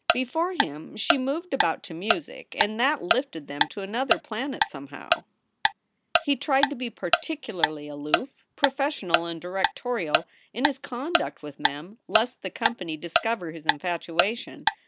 Before him, she moved about to music, and that lifted them to another planet somehow. SOULS FOR SALE 273 He tried to be particularly aloof, professional, and direc torial in his conduct with Mem, lest the company discover his infatuation.